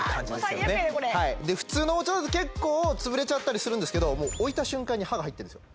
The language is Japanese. もう最悪やこれ普通の包丁だと結構潰れちゃったりするんですけどもう置いた瞬間に刃が入ってるんですよ